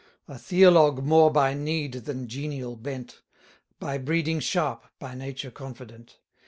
A theologue more by need than genial bent; By breeding sharp, by nature confident.